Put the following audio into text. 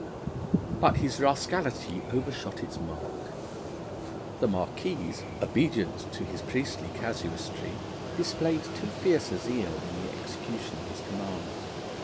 But his rascality overshot its mark; the Marquise, obedient to his priestly casuistry, displayed too fierce a zeal in the execution of his commands.